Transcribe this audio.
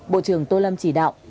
bộ trưởng tô lâm chỉ đạo